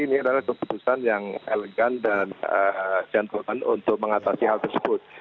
ini adalah keputusan yang elegan dan jantan untuk mengatasi hal tersebut